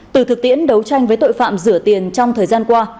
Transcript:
từ thực tiễn đấu tranh với tội phạm rửa tiền trong thời gian qua